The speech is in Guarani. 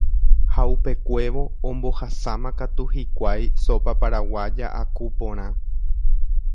ha upekuévo ombohasámakatu hikuái sopa paraguaya aku porã